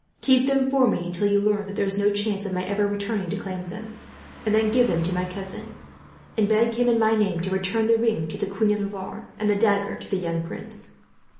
Keep them for me, until you learn that there is no chance of my ever returning to claim them; and then give them to my cousin, and beg him in my name to return the ring to the Queen of Navarre, and the dagger to the young prince."